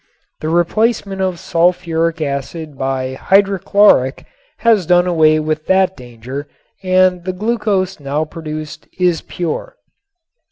The replacement of sulfuric acid by hydrochloric has done away with that danger and the glucose now produced is pure.